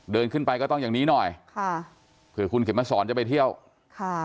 เดินขึ้นไปก็ต้องอย่างนี้หน่อยค่ะเผื่อคุณเข็มมาสอนจะไปเที่ยวค่ะ